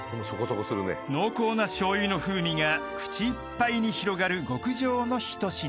［濃厚なしょうゆの風味が口いっぱいに広がる極上の一品］